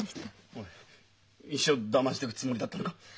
おい一生だましでぐつもりだったのが？